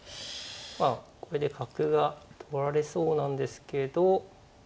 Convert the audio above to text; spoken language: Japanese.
これで角が取られそうなんですけど。